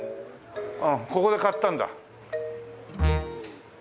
うんここで買ったんだ。